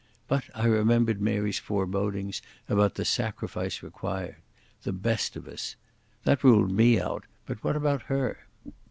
But I remembered Mary's forebodings about the sacrifice required. The best of us. That ruled me out, but what about her?